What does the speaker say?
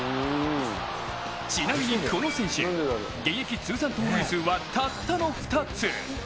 ちなみにこの選手現役通算盗塁数はたったの２つ。